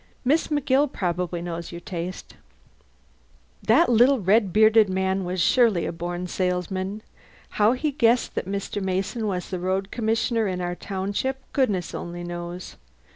Miss McGill probably knows your tastes." That little red bearded man was surely a born salesman. How he guessed that Mr. Mason was the road commissioner in our township, goodness only knows.